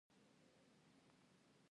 هغه په لاس کې یو ټیلګرام نیولی و.